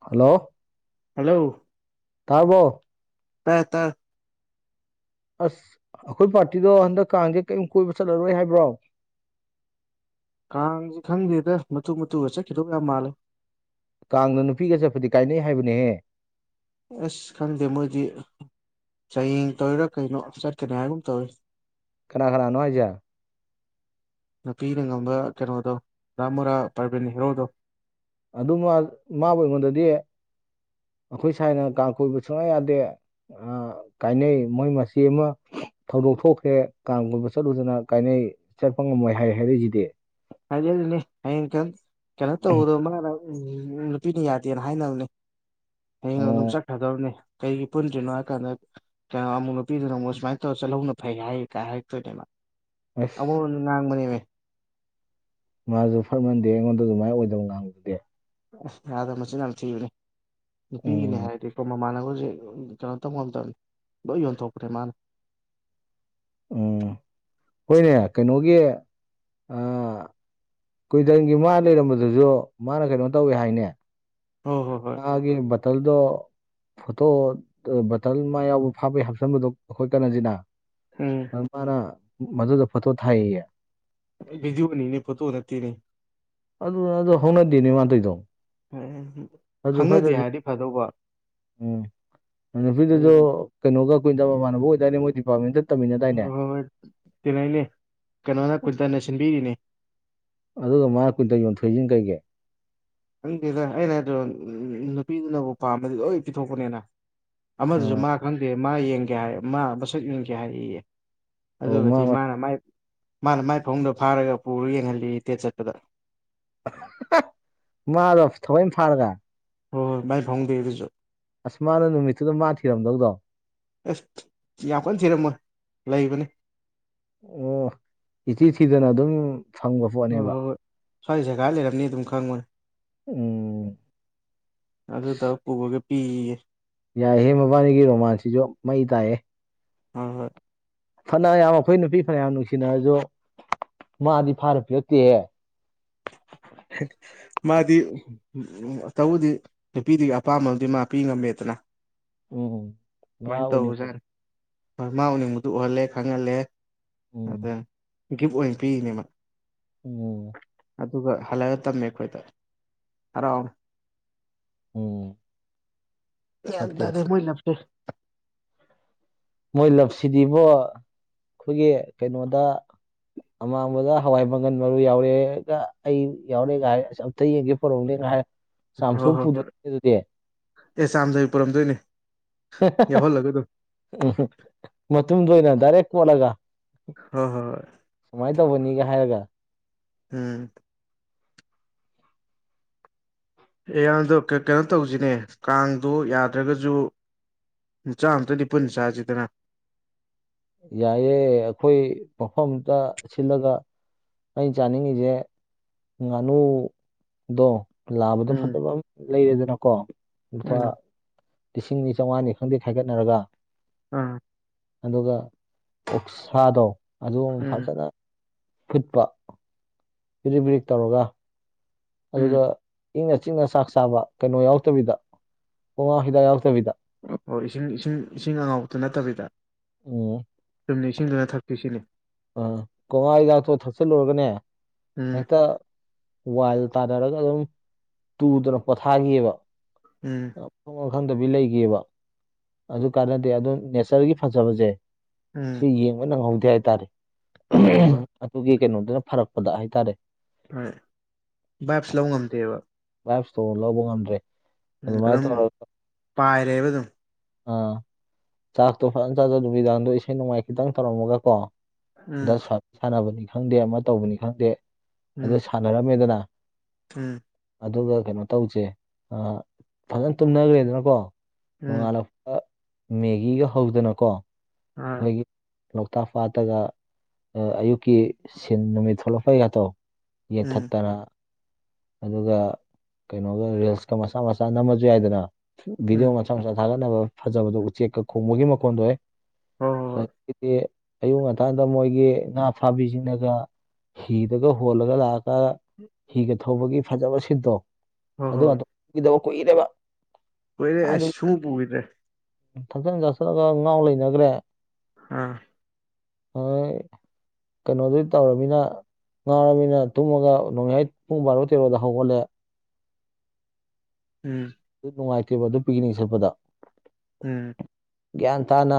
hello hello ꯇꯥꯕ꯭ꯔꯣ ꯇꯥꯌꯦ ꯇꯥꯌꯦ ꯑꯁ ꯑꯈꯣꯏ ꯄꯥꯔꯇꯤꯗꯣ ꯍꯟꯗꯛ ꯀꯥꯡꯖꯦ ꯀꯩꯌꯝ ꯀꯣꯏꯕ ꯆꯠꯂꯔꯣꯏ ꯍꯥꯏꯕ꯭ꯔꯣ ꯀꯥꯡꯖꯤ ꯈꯪꯗꯦꯗ ꯃꯇꯨ ꯃꯇꯨꯒ ꯆꯠꯈꯤꯗꯧ ꯌꯥꯝ ꯃꯥꯜꯂꯦ ꯀꯥꯡꯗ ꯅꯨꯄꯤꯒ ꯆꯠꯄꯗꯤ ꯀꯥꯏꯅꯩ ꯍꯥꯏꯕꯅꯦꯍꯦ ꯑꯁ ꯈꯪꯗꯦ ꯃꯣꯏꯗꯤ ꯆꯌꯦꯡ ꯇꯧꯔꯤꯔꯥ ꯀꯩꯅꯣ ꯆꯠꯀꯅꯤ ꯍꯥꯏꯒꯨꯝ ꯇꯧꯏ ꯀꯅꯥ ꯀꯅꯥꯅꯣ ꯍꯥꯏꯖꯦ ꯅꯨꯄꯤꯅ ꯉꯝꯕ ꯀꯩꯅꯣꯗꯣ ꯙꯥ ꯃꯣꯔꯥ ꯄꯔꯕꯤꯟ ꯍꯦꯔꯣꯗꯣ ꯑꯗꯨꯃ ꯃꯥꯕꯨ ꯑꯩꯉꯣꯟꯗꯗꯤ ꯑꯈꯣꯏ ꯁꯥꯏꯅ ꯀꯥꯡ ꯀꯣꯏꯕ ꯁꯨꯛꯌꯥ ꯌꯥꯗꯦ ꯑ ꯀꯥꯏꯅꯩ ꯃꯣꯏ ꯃꯆꯦ ꯑꯃ ꯊꯧꯗꯣꯛ ꯊꯣꯛꯈ꯭ꯔꯦ ꯀꯥꯡ ꯀꯣꯏꯕ ꯆꯠꯂꯨꯗꯅ ꯀꯥꯏꯅꯩ ꯆꯠꯄ ꯉꯝꯃꯣꯏ ꯍꯥꯏ ꯍꯥꯏꯔꯛꯏꯖꯤꯗꯤ ꯍꯥꯏꯖꯜꯂꯤꯅꯤ ꯍꯌꯦꯡ [unintelligible] ꯀꯩꯅꯣ ꯇꯧꯕꯗ ꯃꯥꯅ ꯎꯝ ꯅꯨꯄꯤꯅ ꯌꯥꯗꯦꯅ ꯍꯥꯏꯅꯕꯅꯤ ꯍꯌꯦꯡ ꯑꯗꯨꯝ ꯑꯣ ꯆꯠꯈ꯭ꯔꯗꯕꯅꯤ ꯀꯩꯒꯤ ꯄꯨꯟꯗ꯭ꯔꯤꯅꯣ ꯍꯥꯏ ꯀꯥꯟꯗ ꯀ꯭ꯌꯥ ꯑꯃꯨꯛ ꯅꯨꯄꯤꯗꯨꯅ ꯑꯃꯨꯛ ꯁꯨꯃꯥꯏꯅ ꯇꯧꯔ ꯆꯠꯂꯧꯕꯅ ꯐꯩ ꯍꯥꯏ ꯀꯥꯏ ꯍꯥꯏꯔꯛꯇꯣꯏꯅꯦꯕ ꯑꯁ ꯑꯑꯣꯟ ꯉꯥꯡꯕꯅꯦꯃꯤ ꯃꯥꯖꯨ ꯐꯠꯃꯟꯗꯦꯍꯦ ꯑꯩꯉꯣꯟꯗ ꯑꯗꯨꯃꯥꯏ ꯑꯣꯏꯗꯕ ꯉꯥꯡꯕꯗꯨꯗꯤ ꯑꯁ ꯌꯥꯗꯝ ꯃꯆꯤꯟ ꯌꯥꯝ ꯊꯤꯕꯅꯤ ꯅꯨꯄꯤꯒꯤꯅꯦ ꯎꯝ ꯍꯥꯏꯔꯗꯤ ꯃꯃꯥꯟꯅꯕꯖꯤꯡ ꯀꯩꯅꯣ ꯇꯧꯉꯝꯗꯝꯅꯤ ꯂꯣꯏ ꯌꯣꯟꯊꯣꯛꯄꯅꯦ ꯃꯥꯅ ꯎꯝ ꯍꯣꯏꯅꯦ ꯀꯩꯅꯣꯒꯤ ꯑꯥ ꯀꯨꯏꯗꯪꯒꯤ ꯃꯥ ꯂꯩꯔꯝꯕꯗꯨꯖꯨ ꯃꯥꯅ ꯀꯩꯅꯣ ꯇꯧꯋꯦ ꯍꯥꯏꯅꯦ ꯍꯣ ꯍꯣ ꯍꯣꯏ ꯃꯥꯒꯤ ꯕꯇꯜꯗꯣ ꯐꯣꯇꯣ ꯕꯇꯜ ꯃꯥ ꯌꯥꯎꯕ ꯐꯥꯕꯩ ꯍꯥꯞꯆꯟꯕꯗꯣ ꯈꯣꯏ ꯀꯅꯖꯤꯠꯅ ꯎꯝ ꯑꯗ ꯃꯥꯅ ꯃꯗꯨꯗ ꯐꯣꯇꯣ ꯊꯥꯏꯑꯌꯦ ꯕꯤꯗꯤꯑꯣ ꯅꯤꯅꯦ ꯐꯣꯇꯣ ꯅꯠꯇꯦꯅꯦ ꯑꯗꯨꯅ ꯑꯗꯨ ꯍꯧꯅꯗꯦꯅꯦ ꯃꯥ ꯇꯧꯏꯗꯣ [unintelligible] ꯐꯖꯨ ꯐꯠꯇ꯭ꯔꯖꯨ ꯍꯥꯏꯔꯗꯤ ꯐꯗꯧꯕ ꯎꯝ ꯅꯨꯄꯤꯗꯨꯖꯨ ꯍꯣꯏ ꯀꯩꯅꯣꯒ ꯀꯣꯏꯟꯗ ꯃꯃꯥꯅꯕ ꯑꯣꯏꯗꯥꯏꯅꯦ ꯃꯣꯏ ꯗꯤꯄꯥꯔꯃꯦꯟꯗ ꯇꯝꯃꯤꯟꯅꯗꯥꯏꯅꯦ ꯍꯣꯏ ꯇꯤꯟꯅꯩꯅꯦ ꯀꯩꯅꯣꯅ ꯀꯨꯏꯟꯇꯟꯅ ꯁꯤꯟꯕꯤꯔꯤꯅꯦ ꯑꯗꯨꯒ ꯃꯥ ꯀꯨꯏꯟꯇꯟ ꯌꯣꯟꯊꯣꯏꯖꯤꯅ ꯀꯩꯒꯤ ꯈꯪꯗꯦꯗ ꯑꯩꯅ ꯍꯥꯏꯗ꯭ꯔꯣ ꯅꯨꯄꯤꯗꯨꯅꯕꯨ ꯄꯥꯝꯃꯗꯤ ꯂꯣꯏ ꯄꯤꯊꯣꯛꯄꯅꯦꯅ ꯑꯃꯗꯨꯖꯨ ꯎꯝ ꯃꯥ ꯈꯪꯗꯦ ꯃꯥ ꯌꯦꯡꯒꯦ ꯍꯥꯏ ꯃꯥ ꯃꯁꯛ ꯌꯦꯡꯒꯦ ꯍꯥꯏꯔꯛꯑꯦꯌꯦ ꯑꯣ ꯃꯥ ꯑꯗꯨꯒꯗꯤ ꯃꯥꯅ ꯃꯥꯏ ꯃꯥꯅ ꯃꯥꯏ ꯐꯃꯨꯡꯗ ꯐꯥꯔꯒ ꯄꯨꯔ ꯌꯦꯡꯍꯜꯂꯦꯌꯦ ꯗꯦꯠ ꯆꯠꯄꯗ ꯃꯥꯔꯣ ꯊꯑꯣꯏ ꯐꯥꯔꯒ ꯍꯣ ꯍꯣꯏ ꯃꯥꯏ ꯐꯃꯨꯡꯗꯩ ꯑꯗꯨꯖꯨ ꯑꯁ ꯃꯥꯗꯨ ꯅꯨꯃꯤꯠꯇꯨꯗ ꯃꯥꯥ ꯊꯤꯔꯝꯗꯧꯗꯣ ꯑꯁ ꯌꯥꯝ ꯀꯟ ꯊꯤꯔꯝꯃꯣꯏ ꯂꯩꯕꯅꯤ ꯑꯣ ꯏꯊꯤ ꯊꯤꯗꯅ ꯑꯗꯨꯝ ꯐꯪꯕ ꯍꯣꯏ ꯄꯣꯠꯅꯦꯕ ꯍꯣꯏ ꯍꯣꯏ ꯁ꯭ꯋꯥꯏ ꯖꯥꯒꯥ ꯂꯩꯔꯝꯅꯤ ꯑꯗꯨꯝ ꯈꯪꯕꯅꯦ ꯎꯝ ꯑꯗꯨꯗꯣ ꯄꯨꯔꯒ ꯄꯤꯑꯌꯦ ꯌꯥꯏꯍꯦ ꯃꯕꯥꯅꯤꯒꯤ ꯔꯣꯃꯥꯟꯁꯁꯤꯖꯨ ꯃꯩ ꯇꯥꯏꯍꯦ ꯑꯥ ꯍꯣꯏ ꯐꯅ ꯌꯥꯝ ꯑꯈꯣꯏ ꯅꯨꯄꯤ ꯐꯅꯌꯥꯝ ꯅꯨꯡꯁꯤꯅꯔꯖꯨ ꯃꯥꯗꯤ ꯐꯥꯔ ꯄꯤꯔꯛꯇꯦꯍꯦ ꯃꯥꯗꯤ ꯎꯝ ꯇꯧꯕꯨꯗꯤ ꯅꯨꯄꯤꯗꯨꯏ ꯑꯄꯥꯝꯕ ꯑꯝꯗꯤ ꯃꯥ ꯄꯤ ꯉꯝꯃꯦꯗꯅ ꯎꯝ ꯃꯥ ꯃꯥꯏꯟ ꯎꯅꯤꯡꯕꯗ ꯇꯧꯕꯖꯥꯠꯅꯤ ꯃꯥꯥ ꯎꯅꯤꯡꯕꯗꯨ ꯎꯍꯜꯂꯦ ꯈꯪꯍꯜꯂꯦ ꯎꯝ ꯑꯗ ꯒꯤꯞ ꯑꯣꯏꯟ ꯄꯤꯔꯤꯅꯦ ꯃꯥ ꯎꯝ ꯗꯨꯒ ꯍꯜꯂ ꯇꯝꯃꯦ ꯑꯈꯣꯏꯗ ꯍꯔꯥꯎꯅ ꯎꯝ ꯒ꯭ꯌꯥꯟ ꯐꯠꯇꯦ ꯇꯥꯗꯦ ꯃꯣꯏ ꯂꯞꯁꯦ ꯃꯣꯏ ꯂꯥꯞꯁꯤꯗꯤꯕꯣ ꯑꯩꯈꯣꯏꯒꯤ ꯀꯩꯅꯣꯗ ꯑꯃꯥꯡꯕꯗ ꯍꯋꯥꯏ ꯃꯪꯒꯟ ꯃꯔꯨ ꯌꯥꯎꯔꯦꯒ ꯑꯩ ꯌꯥꯎꯔꯦꯒ ꯍꯥꯏ ꯑꯝꯇ ꯌꯦꯡꯒꯦ ꯄꯨꯔꯛꯎꯅꯦ ꯀꯥꯏ ꯍꯥꯏ ꯍꯣꯏ ꯍꯣꯏ ꯍꯣꯏ ꯑꯦ ꯆꯦꯝꯗꯕꯤ ꯄꯨꯔꯝꯗꯣꯏꯅꯦ ꯍꯦꯍꯦ ꯌꯥꯎꯍꯜꯂꯒ ꯑꯗꯨꯝ ꯎꯝ ꯃꯇꯨꯝꯗꯣ ꯑꯣꯏꯅ ꯗꯥꯏꯔꯦꯛ ꯀꯣꯠꯂꯒ ꯍꯣꯏ ꯍꯣꯏ ꯍꯣꯏ ꯁꯨꯃꯥꯏꯅ ꯇꯧꯕꯅꯤꯒ ꯍꯥꯏꯔꯒ ꯎꯝ ꯑꯦ [unintelligible] ꯀꯩꯅꯣ ꯇꯧꯖꯤꯅꯦ ꯀꯥꯡꯗꯣ ꯌꯥꯗ꯭ꯔꯒꯁꯨ ꯆꯥꯥꯛ ꯑꯃꯇꯗꯤ ꯄꯨꯟꯅ ꯆꯥꯖꯤꯗꯅ ꯌꯥꯏꯌꯦ ꯑꯩꯈꯣꯏ ꯃꯐꯝ ꯑꯝꯇ ꯁꯤꯜꯂꯒ ꯑꯩꯅ ꯆꯥꯅꯤꯡꯉꯤꯁꯦ ꯉꯥꯅꯨꯗꯣ ꯂꯥꯕꯗꯣ ꯎꯝ ꯐꯖꯕ ꯑꯃ ꯂꯩꯔꯦꯗꯅꯀꯣ ꯂꯨꯄꯥ ꯎꯝ ꯂꯤꯁꯤꯡ ꯑꯅꯤ ꯆꯧꯉꯥꯅꯤ ꯈꯪꯗꯦ ꯈꯥꯏꯒꯠꯅꯔꯒ ꯎꯝ ꯑꯗꯨꯒ ꯑꯣꯛꯁꯥꯗꯣ ꯑꯗꯨ ꯑꯃꯨꯛ ꯎꯝ ꯐꯖꯅ ꯐꯨꯠꯄ ꯕꯤꯗ꯭ꯔꯤꯛ ꯕꯤꯗ꯭ꯔꯤꯛ ꯇꯧꯔꯒ ꯎꯝ ꯑꯗꯨꯒ ꯏꯪꯅ ꯆꯤꯛꯅ ꯆꯥꯛ ꯆꯥꯕ ꯀꯩꯅꯣ ꯌꯥꯎꯇꯕꯤꯗ ꯀꯣꯉꯥ ꯍꯤꯗꯥꯛ ꯌꯥꯎꯗꯕꯤꯗ ꯑꯣ ꯏꯁꯤꯡ ꯏꯁꯤꯡ ꯏꯁꯤꯡ ꯑꯉꯥꯎꯕꯇ ꯅꯠꯇꯕꯤꯗ ꯎꯝ ꯏꯁꯤꯡ ꯗꯨꯅ ꯊꯛꯀꯦ ꯁꯤꯅꯤ ꯑꯥ [unintelligible] ꯍꯤꯗꯥꯛꯊꯣ ꯊꯛꯆꯤꯜꯂꯨꯔꯒꯅꯦ ꯎꯝ ꯍꯦꯛꯇ ꯋꯥꯏꯜ ꯇꯥꯅꯥꯔꯒ ꯑꯗꯨꯝ ꯇꯨꯗꯅ ꯄꯣꯊꯥꯈꯤ ꯑꯕ ꯎꯝ ꯃꯊꯣꯡ ꯃꯔꯝ ꯈꯪꯗꯕꯤ ꯂꯩꯒꯤꯕ ꯑꯗꯨ ꯀꯥꯟꯅꯗꯦ ꯑꯗꯨ ꯅꯦꯆꯔꯒꯤ ꯐꯖꯕꯁꯦ ꯎꯝ ꯁꯤ ꯌꯦꯡꯕ ꯅꯪꯍꯧꯗꯦ ꯍꯥꯏꯇꯥꯔꯦ ꯍꯣꯏ ꯍꯣꯏ ꯍꯣꯏ ꯑꯗꯨꯒꯤ ꯀꯩꯅꯣꯗꯨꯅ ꯐꯔꯛꯄꯗ ꯍꯥꯏꯇꯥꯔꯦ ꯍꯣꯏ ꯕꯥꯏꯞ꯭ꯁ ꯂꯧ ꯉꯝꯗꯦꯕ ꯕꯥꯏꯞ꯭ꯁ ꯇꯣ ꯂꯧꯕ ꯉꯝꯗ꯭ꯔꯦ ꯎꯝ ꯑꯗꯨꯃꯥꯏꯅ ꯑꯗꯨꯝ ꯇꯧꯔꯒ ꯄꯥꯏꯔꯦꯕ ꯑꯗꯨꯝ ꯑꯥ ꯆꯥꯛꯇꯣ ꯐꯖꯅ ꯆꯥꯖꯟ ꯅꯨꯃꯤꯗꯥꯡꯗꯣ ꯏꯁꯩ ꯅꯣꯡꯃꯥꯏ ꯈꯤꯇꯪ ꯇꯧꯔꯝꯃꯒ ꯀꯣ ꯎꯝ ꯗꯁ ꯁꯥꯟꯅꯕꯅꯤ ꯈꯪꯗꯦ ꯑꯃ ꯇꯧꯕꯅꯤ ꯈꯪꯗꯦ ꯑꯗꯨ ꯎꯝ ꯁꯥꯟꯅꯔꯝꯃꯦꯗꯅ ꯎꯝ ꯑꯗꯨꯒ ꯀꯩꯅꯣ ꯇꯧꯁꯦ ꯐꯖꯅ ꯇꯨꯝꯅꯈ꯭ꯔꯦꯗꯅꯀꯣ ꯎꯝ ꯅꯣꯡꯉꯥꯜꯂ ꯃꯦꯒꯤꯒ ꯍꯧꯗꯅꯀꯣ ꯍꯣꯏ ꯑꯩꯈꯣꯏꯒꯤ ꯂꯣꯛꯇꯥꯛ ꯄꯥꯠ ꯇꯒ ꯑꯌꯨꯛꯀꯤ ꯁꯤꯟ ꯅꯨꯃꯤꯠ ꯊꯣꯛꯂꯛꯄꯩꯒꯇꯣ ꯎꯝ ꯌꯦꯡꯊꯠꯇꯅ ꯑꯗꯨꯒ ꯀꯩꯅꯣꯒ ꯔꯤꯜꯁꯀ ꯃꯆꯥ ꯃꯆꯥ ꯅꯝꯃꯖꯨ ꯌꯥꯏꯗꯅ ꯚꯗꯤꯑꯣ ꯎꯝ ꯃꯆꯥ [unintelligible] ꯃꯁꯥ ꯊꯥꯒꯠꯅꯕ ꯐꯖꯕꯗꯣ ꯎꯆꯦꯛꯀ ꯈꯣꯡꯕꯒꯤ ꯃꯈꯣꯟꯗꯣ ꯍꯦ ꯍꯣꯏ ꯍꯣꯏ ꯑꯗꯒꯤꯗꯤ ꯑꯌꯨꯛ ꯉꯟꯇꯗ ꯃꯣꯏꯒꯤ ꯉꯥ ꯐꯥꯕꯤꯁꯤꯡꯅꯒ ꯍꯤꯗꯒ ꯍꯣꯜꯒ ꯂꯥꯛ ꯑꯒ ꯍꯤꯒ ꯊꯧꯕꯒꯤ ꯐꯖꯕ ꯁꯤꯟꯇꯣ ꯍꯣꯏ ꯍꯣꯏ ꯑꯗꯨ ꯍꯣꯏ ꯀꯗꯣ ꯎꯒꯤꯗꯕ ꯀꯨꯏꯔꯦꯕ ꯀꯣꯏꯔꯦ ꯑꯩꯁ ꯀꯥꯏꯗꯒꯤ ꯁꯨꯡ ꯎꯕꯨ ꯎꯈꯤꯗ꯭ꯔꯦ ꯊꯛꯆꯟ ꯆꯥꯁꯤꯂꯒ ꯉꯥꯎ ꯂꯩꯅꯒ꯭ꯔꯦ ꯑꯥ ꯍꯣꯏ ꯀꯩꯅꯣꯗꯤ ꯇꯧꯔꯃꯤꯅ ꯉꯥꯎꯔꯃꯤꯅ ꯇꯨꯝꯃꯒ ꯅꯣꯡꯌꯥꯏ ꯄꯨꯡꯕꯔꯣ ꯇꯦꯔꯣꯗ ꯍꯧꯒꯠꯂꯦ ꯎꯝ ꯑꯗꯨ ꯅꯨꯡꯉꯥꯏꯇꯦꯕ ꯑꯗꯨ ꯄꯤꯛꯅꯤꯛ ꯆꯠꯄꯗ ꯎꯝ ꯒ꯭ꯌꯥꯟ ꯇꯥꯅ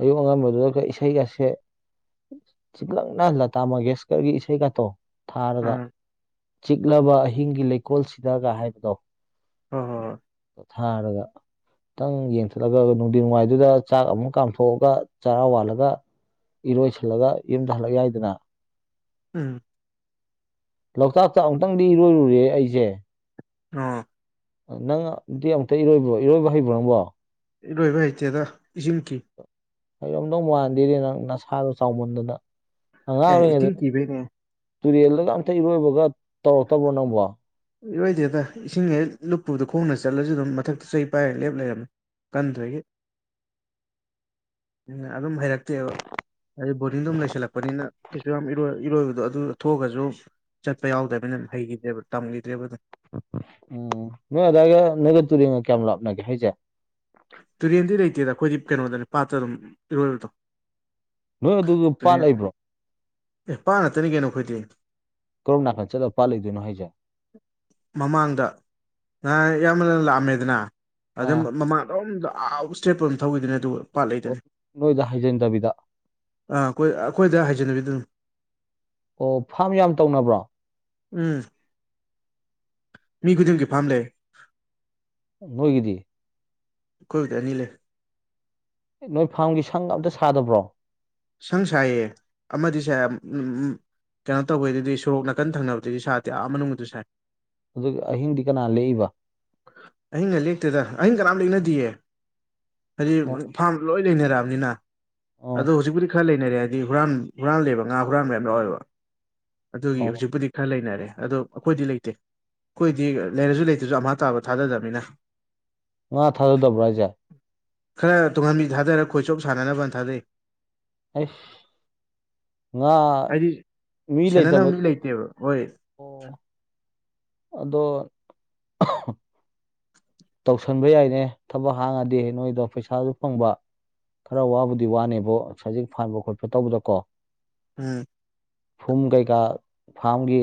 ꯑꯌꯨꯛ ꯑꯉꯟꯕꯗꯨꯗ ꯏꯁꯩꯒꯁꯦ ꯆꯤꯛꯔꯛꯅ ꯂꯇꯥ ꯃꯪꯒꯦꯁꯀꯔꯒꯤ ꯏꯁꯩꯒꯇꯣ ꯊꯥꯔꯒ ꯑꯥ ꯆꯤꯛꯂꯕ ꯑꯍꯤꯡꯒꯤ ꯂꯩꯀꯣꯜꯁꯤꯗꯒ ꯍꯥꯏꯕꯗꯣ ꯍꯣꯏ ꯍꯣꯏ ꯊꯥꯔꯒ ꯇꯪ ꯌꯦꯡꯊꯠꯔꯒ ꯅꯨꯡꯊꯤ ꯋꯥꯏꯗꯨꯗ ꯆꯥꯛ ꯑꯃꯨꯛ ꯀꯥꯝꯊꯣꯛꯑꯒ ꯆꯔꯥ ꯋꯥꯜꯂꯒ ꯏꯔꯣꯏꯁꯤꯜꯂꯒ ꯌꯨꯝꯗ ꯍꯜꯂꯛ ꯌꯥꯏꯗꯅ ꯎꯝ ꯂꯣꯛꯇꯥꯛꯇ ꯑꯃꯨꯛꯇꯪꯗꯤ ꯏꯔꯣꯏꯔꯨꯔꯦ ꯑꯩꯖꯦ ꯑꯣ ꯅꯪꯗꯤ ꯑꯃꯨꯛꯇ ꯏꯔꯣꯏꯕ꯭ꯔꯣ ꯏꯔꯣꯏꯕ ꯍꯩꯕ꯭ꯔꯣ ꯅꯪꯕꯣ ꯏꯔꯣꯏꯕ ꯍꯩꯇꯦꯗ ꯏꯁꯤꯡ ꯀꯤ ꯍꯩꯔꯝꯗꯧ ꯃꯥꯟꯗꯦ ꯅꯪ ꯅꯁꯥꯗꯣ ꯆꯥꯎꯃꯟꯗꯅ ꯑꯉꯥꯡ ꯑꯦ ꯑꯣꯏꯔꯤꯉꯩꯗ ꯏꯁꯤꯡ ꯀꯤꯕꯩꯅꯦ ꯇꯨꯔꯦꯜꯗꯒ ꯑꯝꯇ ꯏꯔꯣꯏꯕꯒ ꯇꯧꯔꯛꯇꯕ꯭ꯔꯣ ꯅꯪꯕꯣ ꯏꯔꯣꯏꯗꯦꯗ ꯏꯁꯤꯡ ꯍꯦꯛ ꯂꯨꯞꯄꯨꯗ ꯈꯣꯡꯅ ꯆꯠꯂꯖꯨ ꯑꯗꯨꯝ ꯃꯊꯛꯇ ꯆꯩ ꯄꯥꯏꯔ ꯂꯦꯞ ꯂꯩꯔꯝꯃꯦ ꯀꯟꯗꯣꯏꯒꯤ [inaudible] ꯑꯗꯨꯝ ꯍꯩꯔꯛꯇꯦꯕ ꯍꯥꯏꯗꯤ ꯕꯣꯔꯗꯤꯡꯗꯗꯨꯝ ꯂꯩꯁꯜꯂꯛꯄꯅꯤꯅ ꯀꯩꯁꯨ ꯌꯥꯝ ꯏꯔꯣꯏ ꯏꯔꯣꯏꯕꯗꯣ ꯑꯗꯨ ꯊꯣꯛꯑꯒꯖꯨ ꯆꯠꯄ ꯌꯥꯎꯗꯃꯤꯅ ꯍꯩꯒꯤꯗ꯭ꯔꯦꯕ ꯇꯝꯒꯤꯗ꯭ꯔꯦꯕ ꯑꯗꯨꯝ ꯎꯝ ꯅꯣꯏ ꯑꯗꯥꯏꯒ ꯅꯣꯏꯒ ꯇꯨꯔꯦꯟꯒ ꯀꯌꯥꯝ ꯂꯥꯞꯅꯒꯦ ꯍꯥꯏꯖꯦ ꯇꯨꯔꯦꯟꯗꯤ ꯂꯩꯇꯦꯗ ꯑꯩꯈꯣꯏꯗꯤ ꯀꯩꯅꯣꯗꯅꯦ ꯄꯥꯠꯇ ꯑꯗꯨꯝ ꯏꯔꯣꯏꯕꯗꯣ ꯅꯣꯏ ꯑꯗꯨꯗꯣ ꯄꯥꯠ ꯇꯨꯔꯦꯟ ꯂꯩꯕ꯭ꯔꯣ ꯑꯦ ꯄꯥꯠ ꯉꯥꯛꯇꯅꯤ ꯀꯩꯅꯣ ꯑꯩꯈꯣꯏꯗꯤ ꯀꯔꯣꯝ ꯅꯥꯀꯟ ꯆꯠꯂ ꯄꯥꯠ ꯂꯩꯗꯣꯏꯅꯣ ꯍꯥꯏꯖꯦ ꯃꯃꯥꯡꯗ ꯅꯍꯥꯜ ꯏꯌꯥꯝꯕ ꯂꯥꯛꯑꯝꯃꯦꯗꯅ ꯑꯗꯨꯝ ꯑꯥ ꯃꯃꯥꯡ ꯑꯗꯨꯝ ꯑꯥ ꯏꯁ꯭ꯇꯦꯠꯄꯧ ꯑꯗꯨꯝ ꯊꯧꯒꯤꯗꯣꯏꯅꯦ ꯑꯗꯨꯒ ꯄꯥꯠ ꯑꯣ ꯂꯩꯗꯣꯏꯅꯤ ꯅꯣꯏꯗ ꯍꯥꯏꯖꯤꯟꯗꯕꯤꯗ ꯑꯥ ꯑꯈꯣꯏ ꯑꯈꯣꯏꯗ ꯍꯥꯏꯖꯤꯜꯂꯤꯗꯨꯅꯤ ꯑꯣ ꯐꯥ꯭ꯔꯝ ꯌꯥꯝ ꯇꯧꯅꯕ꯭ꯔꯣ ꯎꯝ ꯃꯤ ꯈꯨꯗꯤꯡꯒꯤ ꯐꯥ꯭ꯔꯝ ꯂꯩ ꯅꯣꯏꯒꯤꯗꯤ ꯑꯈꯣꯏꯗꯤ ꯑꯅꯤ ꯂꯩ ꯅꯣꯏ ꯐꯥ꯭ꯔꯝꯒꯤ ꯁꯪ ꯑꯝꯇ ꯁꯥꯗꯕ꯭ꯔꯣ ꯁꯪ ꯁꯥꯏꯌꯦ ꯑꯃꯗꯤ ꯁꯥꯏ ꯎꯝ ꯎꯝ ꯎꯝ ꯀꯩꯅꯣ ꯇꯧꯕꯩꯗꯨꯗꯤ ꯁꯣꯔꯣꯛ ꯅꯥꯀꯟ ꯊꯪꯅꯕꯗꯨꯗꯤ ꯁꯥꯗꯦ ꯑꯥ ꯃꯅꯨꯡꯒꯤꯗꯨ ꯁꯥꯏ ꯑꯗꯨ ꯑꯍꯤꯡꯗꯤ ꯀꯅꯥ ꯂꯦꯛꯏꯕ ꯑꯍꯤꯡꯒ ꯂꯦꯛꯇꯦꯗ ꯑꯍꯤꯡ ꯀꯅꯥꯝ ꯂꯦꯛꯅꯗꯤꯌꯦ ꯍꯥꯏꯗꯤ ꯑꯣ ꯐꯥ꯭ꯔꯝ ꯂꯣꯏ ꯂꯩꯅꯔꯛꯑꯕꯅꯤꯅ ꯑꯣ ꯑꯗꯨ ꯍꯧꯖꯤꯛꯄꯨꯗꯤ ꯈꯔ ꯂꯩꯅꯔꯦ ꯍꯥꯏꯗꯤ ꯍꯨꯔꯥꯟ ꯍꯨꯔꯥꯟ ꯂꯦꯕ ꯉꯥ ꯍꯨꯔꯥꯟꯕ ꯌꯥꯝ ꯌꯥꯎꯋꯦꯕ ꯑꯗꯨꯒꯤ ꯑꯣ ꯍꯧꯖꯤꯛꯄꯨꯗꯤ ꯈꯔ ꯂꯩꯅꯔꯦ ꯑꯗꯣ ꯑꯩꯈꯣꯏꯗꯤ ꯂꯩꯇꯦ ꯈꯣꯏꯗꯤ ꯂꯩꯔꯖꯨ ꯂꯩꯇ꯭ꯔꯖꯨ ꯑꯝꯍ ꯇꯥꯕ ꯊꯥꯗꯗꯝꯅꯤꯅ ꯃꯥ ꯊꯥꯗꯗꯕ꯭ꯔꯣ ꯍꯥꯢꯖꯦ ꯈꯔ ꯇꯨꯡꯍꯟꯕꯤ ꯊꯥꯗꯔ ꯈꯣꯏꯆꯣꯞ ꯁꯥꯟꯅꯅꯕꯅ ꯊꯥꯗꯩ ꯑꯩꯁ ꯉꯥ ꯄꯤ ꯃꯤ ꯂꯩꯇꯕꯀꯤꯠ ꯀꯦꯕ ꯃꯣꯏ ꯑꯣ ꯑꯗꯣ [unintelligible] ꯇꯧꯁꯟꯕ ꯌꯥꯏꯅꯦ ꯊꯕꯛ ꯍꯥꯡꯉꯗꯤ ꯅꯣꯏꯗꯣ ꯄꯩꯁꯥꯖꯨ ꯐꯪꯕ ꯈꯔ ꯋꯥꯕꯨꯗꯤ ꯋꯥꯅꯦꯕꯣ ꯁꯖꯤꯛ ꯐꯥꯟꯕ ꯈꯣꯠꯄ ꯇꯧꯕꯗꯀꯣ ꯎꯝ ꯐꯨꯝ ꯀꯩꯀꯥ ꯐꯥꯝꯒꯤ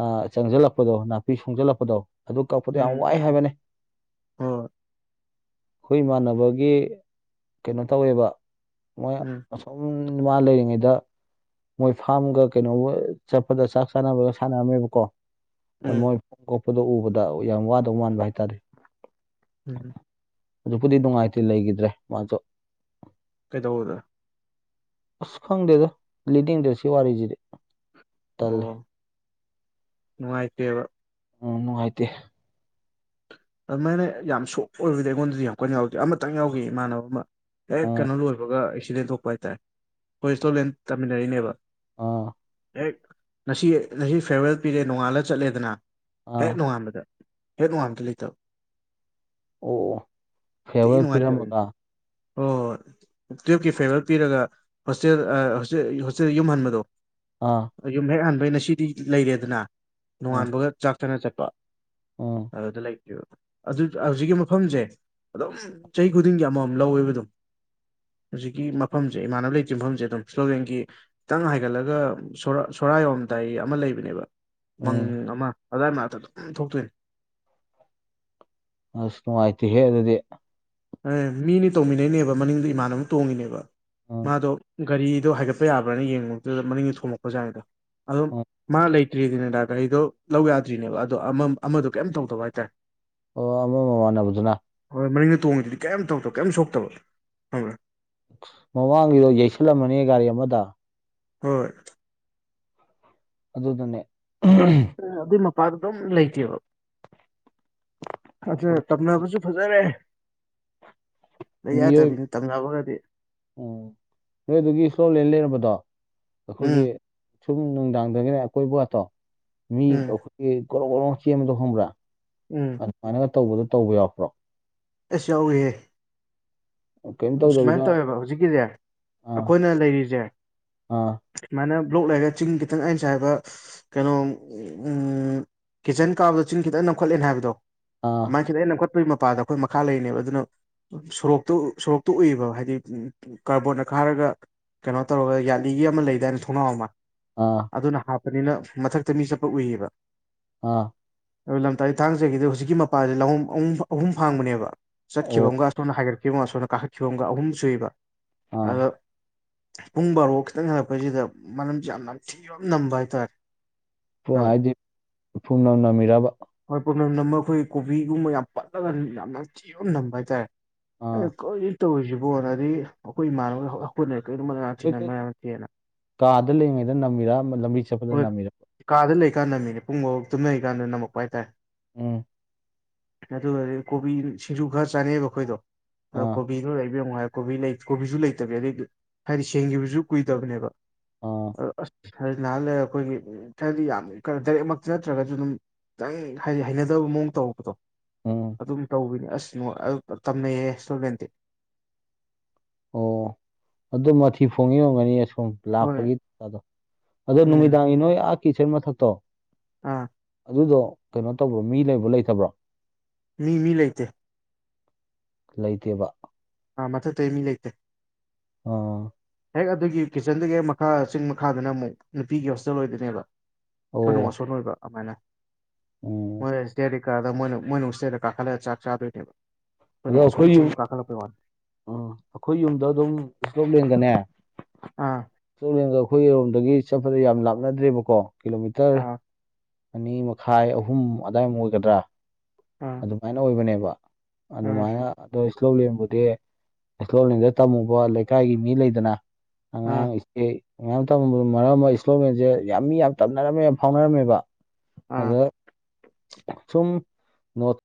ꯑꯥ ꯆꯪꯖꯜꯂꯛꯄꯗꯣ ꯅꯥꯄꯤ ꯁꯣꯡꯖꯜꯂꯛꯄꯗꯣ ꯑꯗꯨ ꯀꯛꯄꯗꯣ ꯌꯥꯝ ꯎꯝ ꯋꯥꯏ ꯍꯥꯏꯕꯅꯦ ꯍꯣꯏ ꯈꯣꯏ ꯏꯃꯥꯟꯅꯕꯒꯤ ꯀꯩꯅꯣ ꯇꯧꯋꯦꯕ ꯃꯣꯏ ꯎꯝ ꯑꯁ ꯑꯎꯝ ꯃꯥ ꯂꯩꯔꯤꯉꯩꯗ ꯃꯣꯏ ꯐꯥꯝꯒ ꯀꯩꯅꯣꯒ ꯆꯠꯄꯗ ꯆꯥꯛ ꯆꯥꯅꯕꯒ ꯁꯥꯅꯔꯝꯃꯦꯕꯀꯣ ꯑꯗ ꯎꯝ ꯃꯣꯏ ꯐꯝ ꯀꯣꯛꯄꯗꯣ ꯎꯕꯗ ꯌꯥꯝ ꯋꯥꯗꯧ ꯃꯥꯟꯕ ꯍꯥꯏꯇꯥꯔꯦ ꯎꯝ ꯍꯧꯖꯤꯛꯄꯨꯗꯤ ꯅꯨꯉꯥꯏꯇꯦ ꯂꯩꯒꯤꯗ꯭ꯔꯦ ꯃꯥꯖꯨ ꯀꯩꯗꯧꯕꯗ ꯑꯁ ꯈꯪꯗꯦꯗ ꯂꯤꯗꯤꯡꯗꯦ ꯁꯤ ꯋꯥꯔꯤꯖꯤꯗꯤ ꯇꯜꯂꯦ ꯅꯨꯉꯥꯏꯇꯦꯕ ꯎꯝ ꯅꯨꯉꯥꯏꯇꯦ ꯑꯗꯨꯃꯥꯏꯅ ꯌꯥꯝ ꯁꯣꯛ ꯑꯣꯏꯕꯗꯤ ꯑꯩꯉꯣꯟꯗꯗꯤ ꯌꯥꯝ ꯀꯟꯅ ꯌꯥꯎꯗꯦ ꯑꯃꯇꯪ ꯌꯥꯎꯒꯤ ꯏꯃꯥꯟꯅꯕ ꯑꯃ ꯍꯦꯛ ꯎꯝ ꯀꯩꯅꯣ ꯂꯣꯏꯕꯒ ꯑꯦꯛꯁꯤꯗꯦꯟ ꯊꯣꯛꯄ ꯍꯥꯏꯇꯥꯔꯦ ꯈꯣꯏ ꯏꯁꯇꯣꯂꯦꯟ ꯇꯥꯃꯤꯟꯅꯔꯛꯏꯅꯦꯕ ꯑꯥ ꯍꯦꯛ ꯉꯁꯤ ꯉꯁꯤ ꯐꯦꯔꯋꯦꯜ ꯄꯤꯔꯦ ꯅꯣꯉꯥꯜꯂ ꯆꯠꯂꯦꯗꯅ ꯑꯥ ꯑꯣ ꯍꯦꯛ ꯅꯣꯉꯥꯟꯕꯗ ꯍꯦꯛ ꯅꯣꯉꯥꯟꯕꯗ ꯂꯩꯇꯕ ꯑꯣ ꯑꯣ ꯊꯤ ꯅꯨꯉꯥꯏꯇꯕꯤꯅꯤ ꯍꯣ ꯍꯣ ꯍꯣꯏ ꯇꯨꯌꯦꯞꯀꯤ ꯐꯦꯔꯋꯦꯜ ꯄꯤꯔꯒ ꯍꯣꯁꯇꯦꯜ ꯑꯥ ꯍꯣꯁꯇꯦ ꯍꯣꯁꯇꯦꯜ ꯌꯨꯝꯍꯟꯕꯗꯣ ꯑꯥ ꯑꯌꯨꯝ ꯍꯦꯛ ꯍꯟꯕꯩꯩ ꯅꯁꯤꯗꯤ ꯂꯩꯔꯦꯗꯅ ꯎꯝ ꯅꯣꯡꯉꯥꯟꯕꯒ ꯆꯥꯛ ꯆꯅꯥ ꯆꯠꯄ ꯎꯝ ꯑꯗꯨꯗ ꯂꯩ ꯇꯤꯕ ꯑꯗꯨꯠ ꯍꯧꯖꯤꯛꯀꯤ ꯃꯐꯝꯖꯦ ꯑꯗꯨꯝ ꯆꯍꯤ ꯈꯨꯗꯤꯡꯒꯤ ꯑꯃꯃꯝ ꯂꯧꯋꯦꯕ ꯑꯗꯨꯝ ꯍꯨꯖꯤꯛꯀꯤ ꯃꯐꯝꯖꯦ ꯏꯃꯥꯟꯅꯕ ꯂꯩꯇ꯭ꯔꯤ ꯃꯐꯝꯖꯦ ꯑꯗꯨꯝ ꯁ꯭ꯂꯣꯞꯂꯦꯟꯒꯤ ꯇꯪ ꯍꯥꯏꯒꯠꯂꯒ ꯁꯣꯔ ꯁꯣꯔꯥ ꯌꯧꯔꯝꯗꯥꯏ ꯑꯃ ꯂꯩꯕꯅꯦꯕ ꯃꯪ ꯎꯝ ꯑꯃ ꯑꯗ꯭ꯋꯥꯏ ꯃꯅꯥꯛꯇ ꯑꯗꯨꯝ ꯊꯣꯛꯇꯣꯏꯅꯤ ꯑꯁ ꯅꯨꯉꯥꯏꯇꯦꯍꯦ ꯑꯗꯨꯗꯤ ꯑꯦ ꯃꯤꯅꯤ ꯇꯣꯡꯃꯤꯟꯅꯩꯅꯦꯕ ꯃꯅꯤꯡꯗꯣ ꯏꯃꯥꯟꯅꯕ ꯑꯝ ꯇꯣꯡꯉꯤꯅꯦꯕ ꯎꯝ ꯃꯥꯗꯣ ꯒꯥꯔꯤꯗꯣ ꯍꯥꯏꯒꯠꯄ ꯌꯥꯕ꯭ꯔꯥꯅ ꯌꯦꯡꯉꯨꯕꯗꯨꯗ ꯃꯅꯤꯡꯗ ꯊꯣꯝꯃꯛꯄ ꯖꯥꯅꯤꯗ ꯑꯗꯨꯝ ꯎꯝ ꯃꯥ ꯂꯩ ꯇ꯭ꯔꯤꯅꯤꯗꯥ ꯒꯥꯔꯤꯗꯣ ꯂꯧ ꯌꯥꯗ꯭ꯔꯤꯅꯦꯕ ꯑꯗꯣ ꯑꯃꯝ ꯑꯃꯗꯣ ꯀꯩꯝ ꯇꯧꯗꯕ ꯍꯥꯏꯇꯥꯔꯦ ꯑꯣ ꯑꯃꯥ ꯃꯃꯥꯟꯅꯕꯗꯨꯅ ꯍꯣꯏ ꯃꯅꯤꯡꯗ ꯇꯣꯡꯉꯤꯗꯨꯗꯤ ꯀꯩꯝ ꯇꯧꯗꯕ ꯀꯩꯝ ꯁꯣꯛꯇꯕ ꯈꯪꯕ꯭ꯔ ꯃꯃꯥꯡꯒꯤꯗꯣ ꯌꯩꯁꯜꯂꯝꯃꯅꯤ ꯒꯥꯔꯤ ꯑꯃꯥꯗꯣ ꯍꯣꯏ ꯑꯗꯨꯗꯨꯅꯦ ꯑꯗꯨꯏ ꯃꯄꯥꯗꯨ ꯑꯗꯨꯝ ꯂꯩꯇꯦꯕ ꯑꯗꯨ ꯇꯝꯅꯕꯖꯨ ꯐꯖꯔꯦ ꯂꯩ ꯃꯤꯑꯣꯏ ꯌꯥꯗꯕꯤꯅꯤ ꯇꯝꯅꯕꯒꯗꯤ ꯎꯝ ꯅꯣꯏ ꯑꯗꯨꯒꯤ ꯏꯁꯂꯣꯞꯂꯦꯟ ꯂꯩꯔꯝꯕꯗꯣ ꯑꯩꯈꯣꯏꯒꯤ ꯎꯝ ꯁꯨꯝ ꯅꯨꯡꯗꯥꯡꯗꯒꯅꯦ ꯑꯀꯣꯏꯕ ꯒꯥꯇꯣ ꯃꯤ ꯎꯝ ꯑꯩꯈꯣꯏꯒꯤ ꯀꯣꯔꯣꯡ ꯀꯣꯔꯣ ꯆꯦꯟꯕꯗꯣ ꯈꯪꯕ꯭ꯔꯥ ꯎꯝ ꯑꯗꯨꯃꯥꯏꯅꯒ ꯇꯧꯕꯗꯣ ꯇꯧꯕ ꯌꯥꯎꯔꯛꯄ꯭ꯔꯣ ꯑꯦꯁ ꯌꯥꯎꯋꯤꯍꯦ ꯀꯩꯝ ꯑꯁꯨꯃꯥꯏꯅ ꯇꯧꯗꯕꯤꯗ ꯇꯧꯋꯦꯕ ꯍꯧꯖꯤꯛꯀꯤꯖꯦ ꯑꯥ ꯑꯩꯈꯣꯏꯅ ꯂꯩꯔꯤꯖꯦ ꯑꯥ ꯁꯨꯃꯥꯏꯅ ꯕ꯭ꯂꯣꯛ ꯂꯩꯔꯦ ꯆꯤꯡ ꯈꯤꯇꯪ ꯑꯩꯅ ꯉꯁꯥꯏ ꯍꯥꯏꯕ ꯀꯩꯅꯣ ꯎꯝ ꯀꯤꯠꯆꯟ ꯀꯥꯕꯗꯣ ꯆꯤꯡ ꯈꯤꯇꯪ ꯅꯝꯈꯠꯂꯦꯅ ꯍꯥꯏꯕꯗꯣ ꯑ ꯑꯗꯨꯃꯥꯏꯅ ꯈꯤꯇꯪ ꯍꯦꯛ ꯅꯝꯈꯠꯄꯒꯤ ꯃꯄꯥꯗ ꯑꯩꯈꯣꯏ ꯃꯈꯥ ꯂꯩꯔꯤꯅꯦꯕ ꯑꯗꯨꯅ ꯁꯣꯔꯣꯛꯇꯨ ꯁꯣꯔꯣꯛ ꯇꯨ ꯎꯏꯕ ꯍꯥꯏꯗꯤ ꯀꯥꯔꯕꯣꯔ꯭ꯗꯅ ꯈꯥꯔꯒ ꯀꯩꯅꯣ ꯇꯧꯔꯒ ꯌꯥꯠꯂꯤꯒꯤ ꯑꯃ ꯂꯩꯗꯥꯏꯅ ꯊꯣꯡꯅꯥꯎ ꯑꯃ ꯑꯥ ꯑꯗꯨꯅ ꯍꯥꯞꯄꯅꯤꯅ ꯃꯊꯛꯇ ꯃꯤ ꯆꯠꯄ ꯎꯏꯌꯦꯕ ꯑꯥ ꯑꯗꯨ ꯂꯝꯇꯥ ꯊꯥꯡꯖꯒꯤꯗꯨ ꯍꯧꯖꯤꯛꯀꯤ ꯃꯄꯥꯗ ꯂꯝꯂꯣꯡ ꯑꯍꯨꯝ ꯑꯍꯨꯝ ꯐꯥꯡꯕꯅꯦꯕ ꯑꯣ ꯆꯠꯈꯤꯕ ꯑꯃꯒ ꯑꯁꯣꯝꯅ ꯍꯥꯏꯒꯠꯈꯤꯕ ꯑꯃꯒ ꯑꯁꯣꯝꯗ ꯀꯥꯈꯠꯈꯤꯕ ꯑꯃꯒ ꯑꯍꯨꯝ ꯁꯨꯏꯕ ꯑꯥ ꯑꯗꯣ ꯄꯨꯡ ꯕꯥꯔꯣ ꯈꯤꯇꯪ ꯍꯜꯂꯛꯄꯁꯤꯗ ꯃꯅꯝꯁꯦ ꯌꯥꯝ ꯅꯝꯊꯤꯕ ꯑꯃ ꯅꯝꯕ ꯍꯥꯏꯇꯥꯔꯦ ꯈꯪꯉꯕ ꯍꯥꯏꯗꯤ ꯐꯨꯝꯅꯝ ꯅꯝꯃꯤꯔꯕ ꯍꯣꯏ ꯄꯨꯝꯅꯝ ꯅꯝꯃꯒ ꯑꯩꯈꯣꯏꯒꯤ ꯀꯣꯕꯤꯒꯨꯝꯕ ꯌꯥꯝ ꯄꯠꯂꯒ ꯌꯥꯝꯅ ꯅꯝꯊꯤꯕ ꯑꯃ ꯅꯝꯕ ꯍꯥꯏꯇꯥꯔꯦ ꯑꯥ ꯑꯦ ꯀꯔꯤꯅꯣ ꯇꯧꯔꯤꯁꯤꯕꯣꯅ ꯑꯗꯒꯤ ꯑꯩꯈꯣꯏ ꯏꯃꯥꯟꯅꯕ ꯄꯨꯟꯅ ꯍꯦꯛꯇ ꯀꯥꯗ ꯂꯩꯔꯤꯉꯩꯗ ꯅꯝꯃꯤꯔ ꯂꯝꯕꯤ ꯆꯠꯄꯗ ꯅꯝꯃꯤꯔꯕ [unintelligible] ꯀꯥꯗ ꯂꯩꯔꯤꯀꯥꯟꯗ ꯅꯝꯃꯤꯅꯤ ꯄꯨꯡ ꯕꯥꯔꯣ ꯇꯨꯝꯅꯔꯤꯀꯥꯟꯗ ꯅꯝꯃꯛꯄ ꯍꯥꯏꯇꯥꯔꯦ ꯎꯝ ꯑꯗꯨꯒꯗꯤ ꯀꯣꯕꯤ ꯁꯤꯡꯖꯨ ꯈꯔ ꯆꯥꯅꯤꯡꯉꯒ ꯑꯩꯈꯣꯏꯗꯣ ꯑꯥ ꯀꯣꯕꯤꯗꯨ ꯂꯩꯕ꯭ꯔ ꯌꯦꯡꯉꯣ ꯍꯥꯏ ꯀꯣꯕꯤ ꯂꯩ ꯀꯣꯕꯤꯖꯨ ꯂꯩꯇꯕꯤ ꯑꯗꯩꯗꯤ ꯍꯥꯏꯗꯤ ꯁꯦꯡꯒꯤꯕꯖꯨ ꯀꯨꯏꯗꯕꯅꯦꯕ ꯑꯥ ꯑ ꯑꯁ ꯍꯥꯏ ꯉꯩꯍꯥꯛ ꯂꯩꯔ ꯑꯩꯈꯣꯏꯒꯤ ꯍꯥꯏꯕꯗꯤ ꯌꯥꯝ ꯈꯔ ꯗꯥꯏꯔꯦꯛꯃꯛ ꯆꯠꯇ꯭ꯔꯒꯖꯨ ꯗꯨꯝ ꯈꯤꯇꯪ ꯍꯥꯏꯗꯤ ꯍꯩꯅꯗꯕ ꯃꯑꯣꯡ ꯇꯧꯔꯛꯄꯗꯣ ꯎꯝ ꯑꯗꯨꯝ ꯇꯧꯕꯤꯅꯦ ꯑꯁ ꯅꯣ ꯑ ꯇꯝꯅꯩꯌꯦ ꯏꯁ꯭ꯂꯣꯞꯂꯦꯟꯗꯤ ꯑꯣ ꯑꯗꯨ ꯃꯊꯤ ꯐꯣꯡꯉꯛꯏ ꯑꯣꯏꯔꯝꯒꯅꯤ ꯑꯁ ꯎꯝ ꯍꯣꯏ ꯂꯥꯛꯄꯒꯤ ꯑꯗꯣ ꯑꯗꯣ ꯎꯝ ꯅꯨꯃꯤꯗꯥꯡꯒꯤ ꯅꯣꯏ ꯑꯥ ꯀꯤꯆꯟꯒꯤ ꯃꯊꯛꯇꯣ ꯑꯥ ꯑꯗꯨꯗꯣ ꯀꯩꯅꯣ ꯇꯧꯕ꯭ꯔꯣ ꯃꯤ ꯂꯩꯕ꯭ꯔꯣ ꯂꯩꯇꯕ꯭ꯔꯣ ꯃꯤ ꯃꯤ ꯂꯩꯇꯦ ꯂꯩꯇꯦꯕ ꯑ ꯃꯊꯛꯇꯗꯤ ꯃꯤ ꯂꯩꯇꯦ ꯑꯣ ꯍꯦꯛ ꯑꯗꯨꯒꯤ ꯀꯤꯠꯆꯟꯗꯨꯗꯒꯤ ꯍꯦꯛ ꯃꯈꯥ ꯆꯤꯡ ꯃꯈꯥꯗꯅ ꯑꯃꯨꯛ ꯅꯨꯄꯤꯒꯤ ꯍꯣꯁꯇꯦꯜ ꯑꯣꯏꯗꯣꯏꯅꯦꯕ ꯑꯣ [unintelligible] ꯑꯣꯏꯕ ꯑꯗꯨꯃꯥꯏꯅ ꯎꯝ ꯃꯣꯏꯅ ꯁꯇ꯭ꯌꯦꯔ ꯀꯗ ꯃꯣꯏ ꯃꯣꯏꯅ ꯁꯇ꯭ꯌꯥꯔꯗ ꯀꯥꯈꯠꯂꯒ ꯆꯥꯛ ꯆꯥꯗꯣꯏꯅꯦꯕ ꯑꯗꯣ ꯑꯩꯈꯣꯏꯅ ꯋꯥꯁꯣꯟ ꯑꯩꯈꯣꯏꯒꯤ ꯌꯨꯝ ꯆꯤꯡꯗ ꯀꯥꯈꯠꯂꯛꯄꯩ ꯋꯥꯅꯤ ꯑ ꯑꯩꯈꯣꯏꯒꯤ ꯌꯨꯝꯗ ꯑꯗꯨꯝ ꯁ꯭ꯂꯣꯞ ꯂꯦꯟꯒꯅꯦ ꯑꯥ ꯁ꯭ꯂꯣꯞ ꯂꯦꯟꯒ ꯑꯩꯈꯣꯏꯔꯣꯝꯗꯒꯤ ꯆꯠꯄꯗ ꯌꯥꯝ ꯂꯥꯞꯅꯗ꯭ꯔꯤꯕꯀꯣ ꯀꯤꯂꯣꯃꯤꯇꯔ ꯑꯥ ꯑꯅꯤ ꯃꯈꯥꯏ ꯑꯍꯨꯝ ꯑꯗ꯭ꯋꯥꯏ ꯃꯨꯛ ꯑꯣꯏꯒꯗ꯭ꯔ [unintelligible] ꯑꯗꯨꯃꯥꯏꯅ ꯑꯣꯏꯕꯅꯦꯕ ꯑꯥ ꯑꯗꯨꯃꯥꯏꯅ ꯑꯗꯣ ꯁ꯭ꯂꯣꯞꯂꯦꯟꯕꯨꯗꯤ ꯁ꯭ꯂꯣꯞꯂꯦꯟꯗ ꯊꯝꯃꯨꯕ ꯂꯩꯀꯥꯏꯒꯤ ꯃꯤ ꯂꯩꯗꯅ ꯑꯥ ꯑꯉꯥꯡꯉꯩꯁꯦ ꯃꯌꯥꯝ ꯇꯃꯝꯕꯗꯣ ꯃꯔꯛ ꯑꯃ ꯏꯁ꯭ꯂꯣꯂꯦꯟꯖꯦ ꯌꯥꯝ ꯃꯤ ꯌꯥꯝ ꯇꯝꯅꯔꯝꯃꯦ ꯐꯥꯎꯅꯔꯝꯃꯦꯕ ꯑꯥ ꯑꯗ ꯁꯨꯝ ꯅꯣꯠ